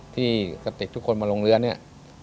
กระติกทุกคนมาลงเรือเนี่ย